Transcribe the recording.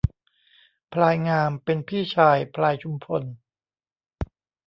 พลายงามเป็นพี่ชายพลายชุมพล